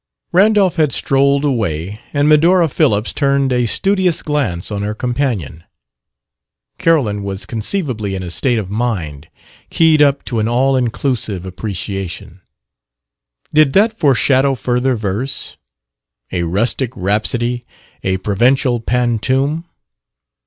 Randolph had strolled away, and Medora Phillips turned a studious glance on her companion. Carolyn was conceivably in a state of mind keyed up to an all inclusive appreciation. Did that foreshadow further verse? a rustic rhapsody, a provincial pantoum?